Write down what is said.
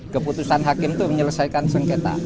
keputusan hakim itu menyelesaikan sengketa